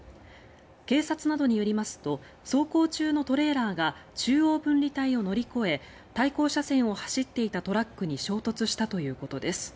警察などによりますと走行中のトレーラーが中央分離帯を乗り越え対向車線を走っていたトラックに衝突したということです。